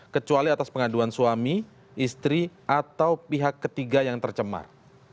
kecuali atas pengaduan suami istri atau pihak ketiga yang tercemar